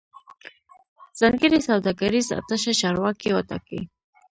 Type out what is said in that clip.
ځانګړی سوداګریز اتشه چارواکي وټاکي